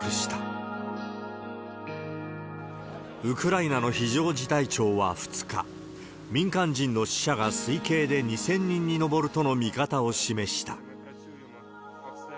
ウクライナの非常事態庁は２日、民間人の死者が推計で２０００人に上るとの見方を示した。